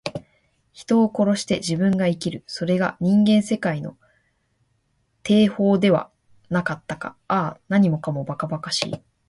人を殺して自分が生きる。それが人間世界の定法ではなかったか。ああ、何もかも、ばかばかしい。